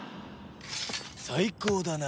最高だな。